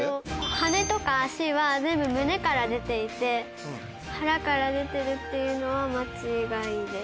羽とか脚は全部胸から出ていて腹から出てるっていうのは間違いです。